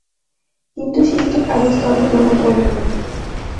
কিন্তু শিশুটি কারো স্তনই গ্রহণ করলেন না।